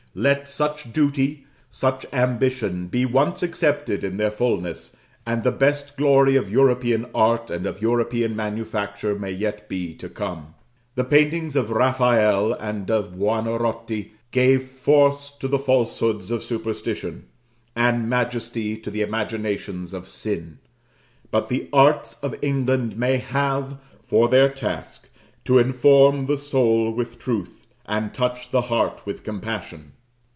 Let such duty, such ambition, be once accepted in their fulness, and the best glory of European art and of European manufacture may yet be to come. The paintings of Raphael and of Buonaroti gave force to the falsehoods of superstition, and majesty to the imaginations of sin; but the arts of England may have, for their task, to inform the soul with truth, and touch the heart with compassion.